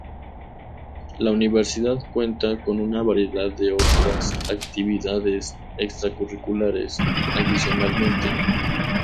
La universidad cuenta con una variedad de otras actividades extracurriculares, adicionalmente.